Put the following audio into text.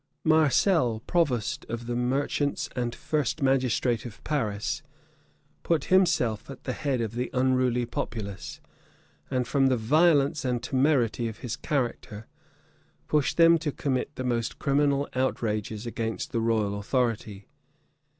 Marcel, provost of the merchants and first magistrate of Paris, put himself at the head of the unruly populace; and from the violence and temerity of his character, pushed them to commit the most criminal outrages against the royal authority.